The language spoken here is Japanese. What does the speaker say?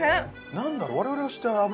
何だろう